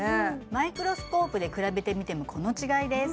マイクロスコープで比べてみてもこの違いです